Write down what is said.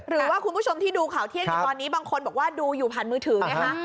คุณผู้ชมที่ดูข่าวเที่ยงอยู่ตอนนี้บางคนบอกว่าดูอยู่ผ่านมือถือไงคะ